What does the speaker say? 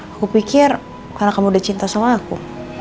aku pikir karena kamu udah cinta sama aku